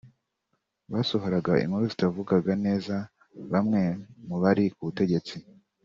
Basohoraga inkuru zitavugaga neza bamwe mu bari ku butegetsi